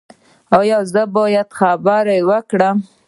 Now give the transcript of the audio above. ایا زه باید خبرې وکړم؟